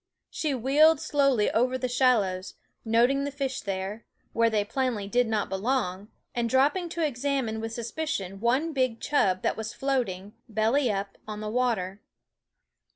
She wheeled slowly over the shallows, noting the fish there, where they plainly did not belong, and drop ping to examine with suspicion one big chub that was floating, belly up, on the water.